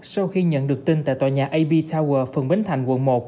sau khi nhận được tin tại tòa nhà ab tower phường bến thành quận một